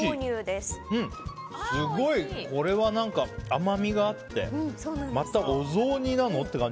すごい、これは甘みがあってまたお雑煮なの？って感じ。